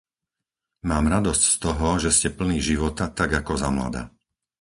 Mám radosť z toho, že ste plný života tak ako za mlada.